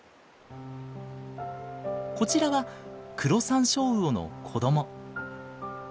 こちらはクロサンショウウオの子ども。